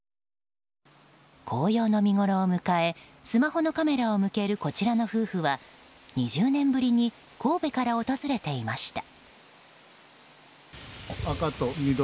紅葉の見ごろを迎えスマホのカメラを迎えるこちらの夫婦は２０年ぶりに神戸から訪れていました。